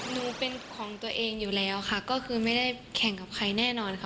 หนูเป็นของตัวเองอยู่แล้วค่ะก็คือไม่ได้แข่งกับใครแน่นอนค่ะ